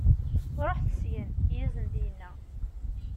Ruḥet syin, i asen-d-yenna.